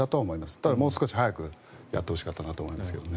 ただ、もう少し早くやってほしかったなと思いますけどね。